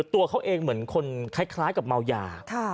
ตัวเขาเองเหมือนคนคล้ายกับเมายา